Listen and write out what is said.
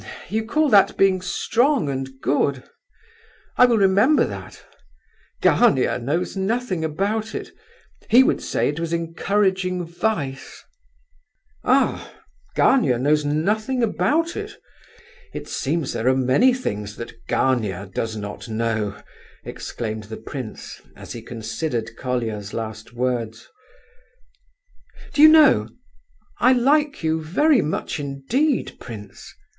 H'm! You call that being strong and good? I will remember that! Gania knows nothing about it. He would say that it was encouraging vice." "Ah, Gania knows nothing about it? It seems there are many things that Gania does not know," exclaimed the prince, as he considered Colia's last words. "Do you know, I like you very much indeed, prince?